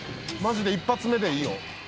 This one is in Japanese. マジで１発目でいいよ。